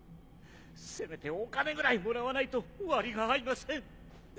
せめてお金ぐらいもらわないと割が合いません。